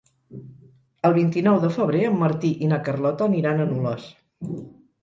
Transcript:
El vint-i-nou de febrer en Martí i na Carlota aniran a Nules.